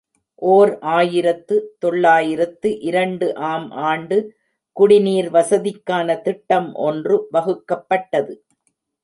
ஓர் ஆயிரத்து தொள்ளாயிரத்து இரண்டு ஆம் ஆண்டு குடிநீர் வசதிக்கான திட்டம் ஒன்று வகுக்கப்பட்டது.